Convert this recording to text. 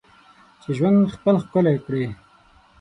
چې ژوند خپل ښکلی کړې.